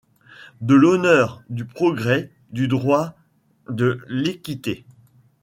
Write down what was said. De l'honneur, du progrès, du droit, de l'équité !